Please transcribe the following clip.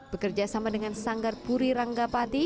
bekerja sama dengan sanggar puri ranggapati